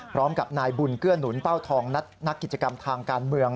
พร้อมกับนายบุญเกื้อหนุนเป้าทองนักกิจกรรมทางการเมือง